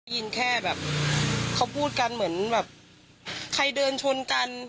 แค่แบบเขาพูดกันเหมือนแบบใครเดินชนกัน